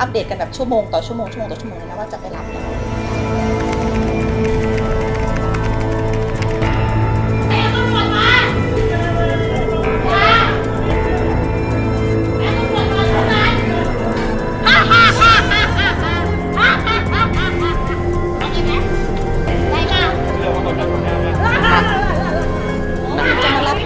อัปเดตกันแบบชั่วโมงต่อชั่วโมงชั่วโมงต่อชั่วโมงเลยนะว่าจะไปรับเรา